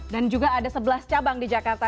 dan juga ada sebelas cabang di jakarta